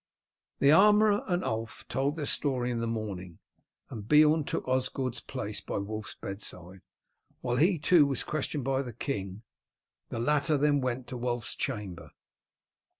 The armourer and Ulf told their story in the morning, and Beorn took Osgod's place by Wulf's bedside, while he too was questioned by the king. The latter then went to Wulf's chamber.